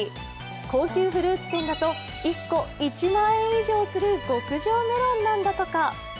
高級フルーツ店だと１個１万円以上する極上メロンなんだとか。